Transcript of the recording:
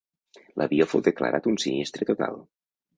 L'avió fou declarat un sinistre total.